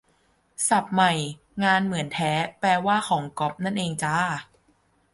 ศัพท์ใหม่ "งานเหมือนแท้" แปลว่า "ของก๊อป" นั่นเองจ้า